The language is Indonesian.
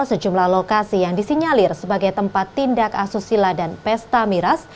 sejumlah lokasi yang disinyalir sebagai tempat tindak asusila dan pesta miras